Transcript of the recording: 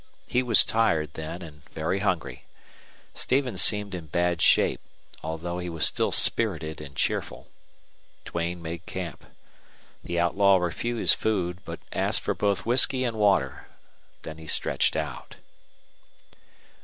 He was tired then and very hungry. Stevens seemed in bad shape, although he was still spirited and cheerful. Duane made camp. The outlaw refused food, but asked for both whisky and water. Then he stretched out.